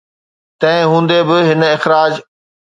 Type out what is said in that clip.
تنهن هوندي به، هن اخراج